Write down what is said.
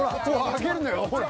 ［上げるのよほら］